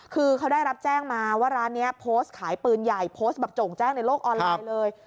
คือเขาได้รับแจ้งมาว่าร้านนี้โพสต์ขายปืนใหญ่โพสต์แบบโจ่งแจ้งในโลกออนไลน์เลย